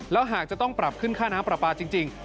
แล้วหากจะต้องปรับขึ้นค่าน้ำปลาปลาจริง